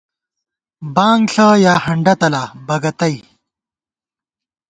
بانگ ݪہ یا ہنڈہ تلا (بگَتَئ)